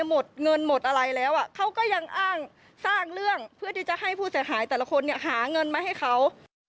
มีเงินมั้ยให้เขา